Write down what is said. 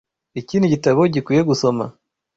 Iki nigitabo gikwiye gusoma.